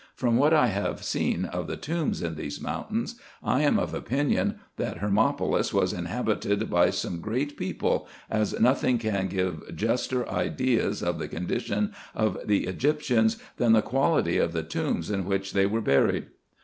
From what I have seen of the tombs in these mountains, I am of opinion, that Hermopolis was inhabited by some great people, as nothing can give juster ideas of the condition of the Egyptians than the quality of the tombs in which they were buried.